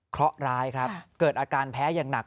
เพราะร้ายครับเกิดอาการแพ้อย่างหนัก